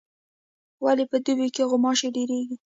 ولي په دوبي کي غوماشي ډیریږي؟